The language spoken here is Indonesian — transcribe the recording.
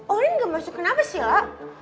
olin gak masuk kenapa sih lo